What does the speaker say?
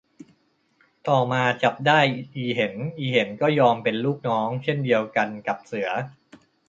ต่อมาจับได้อีเห็น อีเห็นก็ยอมเป็นลูกน้อง เช่นเดียวกันกับเสือ